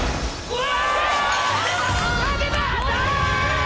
うわ！